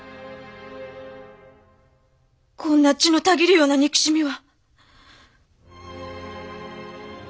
こんな血のたぎるような憎しみは。